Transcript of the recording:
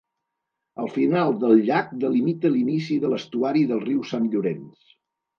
El final del llac delimita l'inici de l'estuari del riu Sant Llorenç.